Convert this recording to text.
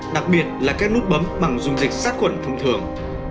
đặc biệt là các nút bấm bằng dùng dịch sát khuẩn thông thường